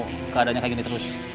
kamu mau keadaannya kayak gini terus